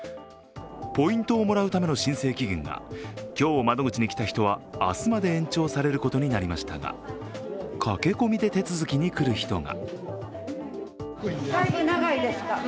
ポイントをもらうための申請期限が今日、窓口に来た人は明日まで延長されることになりましたが、駆け込みで手続きに来る人が。